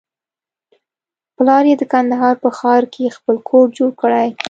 پلار يې د کندهار په ښار کښې خپل کور جوړ کړى.